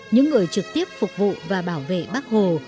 những người trực tiếp phục vụ và bảo vệ bác hồ